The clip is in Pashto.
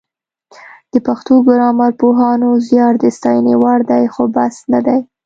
د پښتو ګرامرپوهانو زیار د ستاینې وړ دی خو بس نه دی